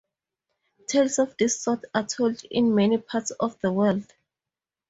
Tales of this sort are told in many parts of the world.